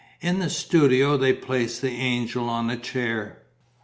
In the studio they placed the angel on a chair.